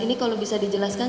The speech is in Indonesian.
ini kalau bisa dijelaskan